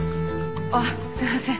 あっすいません。